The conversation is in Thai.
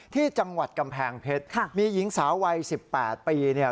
ที่จังหวัดกำแพงเพชรมีหญิงสาววัย๑๘ปี